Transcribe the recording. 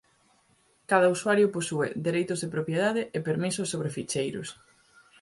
Cada usuario posúe dereitos de propiedade e permisos sobre ficheiros.